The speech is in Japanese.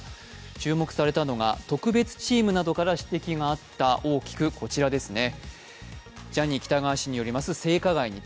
注目されたのが特別チームなどから指摘があった、こちらですね。